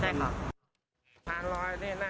ใช่ครับ